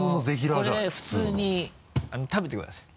これ普通に食べてください。